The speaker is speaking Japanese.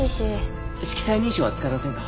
色彩認証は使えませんか？